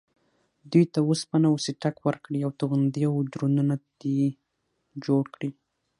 دوی ته وسپنه و څټک ورکړې او توغندي او ډرونونه دې جوړ کړي.